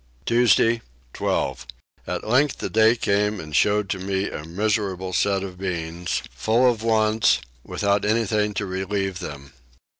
Tuesday 12. At length the day came and showed to me a miserable set of beings, full of wants, without anything to relieve them.